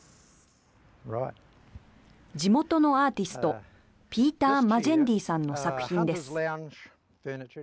地元のアーティストピーター・マジェンディーさんの作品です。